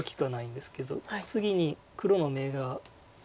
次に黒の眼が。